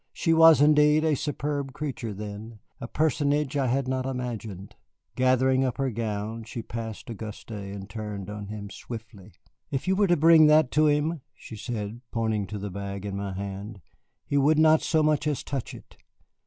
She was indeed a superb creature then, a personage I had not imagined. Gathering up her gown, she passed Auguste and turned on him swiftly. "If you were to bring that to him," she said, pointing to the bag in my hand, "he would not so much as touch it.